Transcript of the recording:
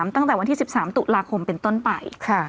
ตั้งแต่วันที่๑๓ตุลาคมเป็นต้นไป